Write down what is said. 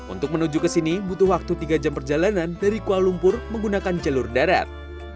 untuk menuju ke sini butuh waktu tiga jam perjalanan dari kuala lumpur menggunakan jalur darat